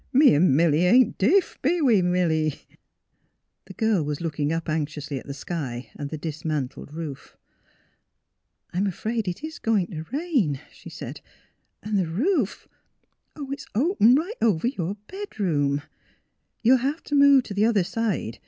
*' Me 'n' Milly ain't deef ; be we, Milly? " 216 THE HEAKT OF PHILUEA The girl was looking up anxiously at the sky and the dismantled roof. *' I'm afraid it is going to rain," she said. '' And the roof — Oh ! it 's open right over your bedroom. You'll have to move to the other side.